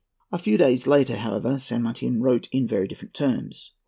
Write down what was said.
A few days later, however, San Martin wrote in very different terms.